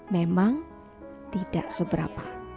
memang tidak seberapa